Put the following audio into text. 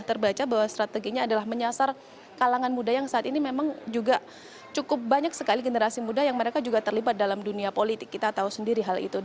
terima kasih banyak ibu semoga lancar